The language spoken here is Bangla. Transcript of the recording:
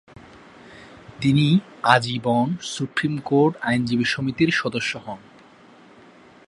তিনি আজীবন সুপ্রিম কোর্ট আইনজীবী সমিতির সদস্য হন।